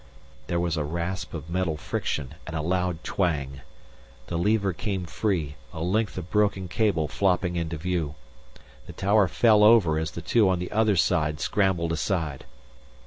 There was a rasp of metal friction, and a loud twang. The lever came free, a length of broken cable flopping into view. The tower fell over as the two on the other side scrambled aside.